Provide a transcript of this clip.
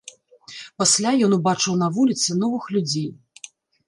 Пасля ён убачыў на вуліцы новых людзей.